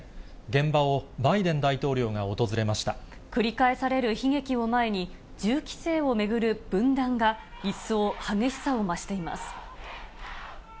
現場をバイデン大統領が訪れまし繰り返される悲劇を前に、銃規制を巡る分断が一層激しさを増しています。